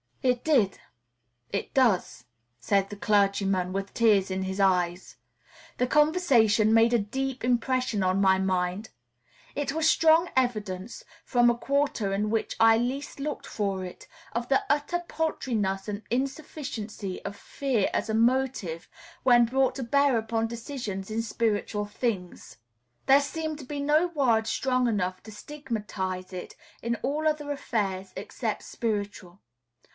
"It did, it does," said the clergyman, with tears in his eyes. The conversation made a deep impression on my mind. It was strong evidence, from a quarter in which I least looked for it, of the utter paltriness and insufficiency of fear as a motive when brought to bear upon decisions in spiritual things. There seem to be no words strong enough to stigmatize it in all other affairs except spiritual.